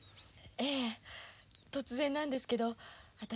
ええ突然なんですけど私